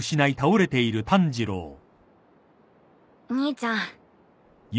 兄ちゃん